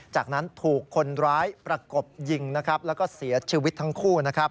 จากนั้นถูกคนร้ายประกบยิงและเสียชีวิตทั้งคู่